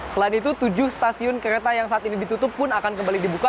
selain itu tujuh stasiun kereta yang saat ini ditutup pun akan kembali dibuka